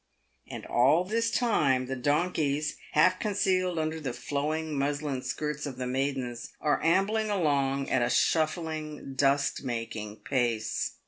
And all this time the donkeys, half concealed under the flow ing muslin skirts of the maidens, are ambling along at a shuffling, dust making pace.